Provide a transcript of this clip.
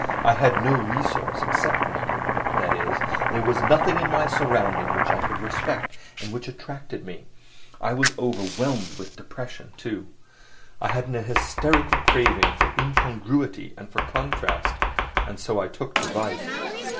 I had no resource except reading, that is, there was nothing in my surroundings which I could respect and which attracted me. I was overwhelmed with depression, too; I had an hysterical craving for incongruity and for contrast, and so I took to vice.